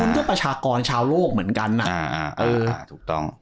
คุณก็ประชากรชาวโลกเหมือนกัน